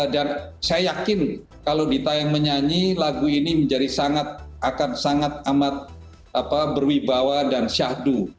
saya yakin kalau dita yang menyanyi lagu ini menjadi sangat akan sangat amat berwibawa dan syahdu